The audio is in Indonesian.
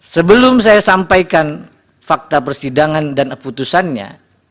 sebelum saya sampaikan fakta persidangan dan putusannya